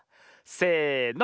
せの！